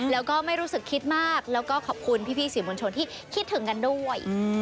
แล้วก็ไม่รู้สึกคิดมากแล้วก็ขอบคุณพี่สื่อมวลชนที่คิดถึงกันด้วย